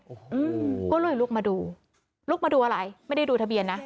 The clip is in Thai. โอ้โหก็เลยลุกมาดูลุกมาดูอะไรไม่ได้ดูทะเบียนนะ